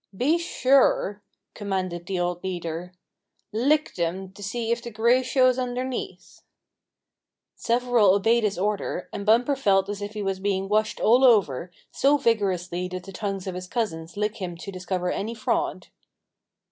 "Be sure!" commanded the old leader. "Lick them to see if the gray shows underneath." Several obeyed this order, and Bumper felt as if he was being washed all over, so vigorously did the tongues of his cousins lick him to discover any fraud.